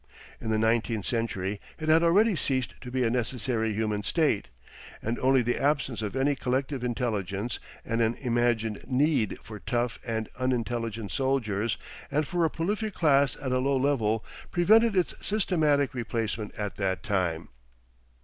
In the nineteenth century it had already ceased to be a necessary human state, and only the absence of any collective intelligence and an imagined need for tough and unintelligent soldiers and for a prolific class at a low level, prevented its systematic replacement at that time....